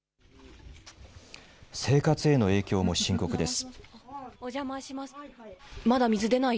生活への影響も深刻です。